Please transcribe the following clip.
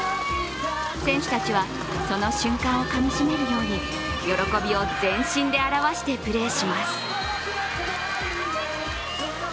選手たちはその瞬間をかみしめるように、喜びを全身で表してプレーします。